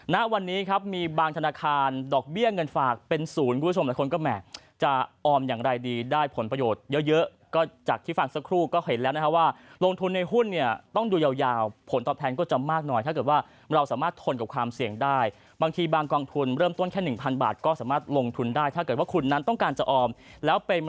ณวันนี้ครับมีบางธนาคารดอกเบี้ยเงินฝากเป็นศูนย์คุณผู้ชมหลายคนก็แหมจะออมอย่างไรดีได้ผลประโยชน์เยอะก็จากที่ฟังสักครู่ก็เห็นแล้วนะฮะว่าลงทุนในหุ้นเนี่ยต้องดูยาวผลตอบแทนก็จะมากหน่อยถ้าเกิดว่าเราสามารถทนกับความเสี่ยงได้บางทีบางกองทุนเริ่มต้นแค่หนึ่งพันบาทก็สามารถลงทุนได้ถ้าเกิดว่าคุณนั้นต้องการจะออมแล้วเป็น